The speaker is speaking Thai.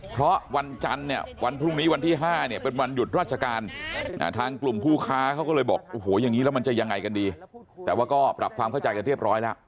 เพราะวันจันทร์เนี่ยวันพรุ่งนี้วันที่๕เนี่ยเป็นวันหยุดราชการทางกลุ่มผู้ค้าเขาก็เลยบอกโอ้โหอย่างนี้แล้วมันจะยังไงกันดีแต่ว่าก็ปรับความเข้าใจกันเรียบร้อยแล้ว